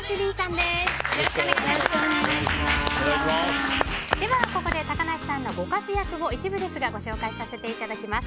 ではここで高梨さんのご活躍を一部ですがご紹介させていただきます。